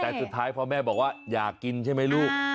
แต่สุดท้ายพอแม่บอกว่าอยากกินใช่ไหมลูก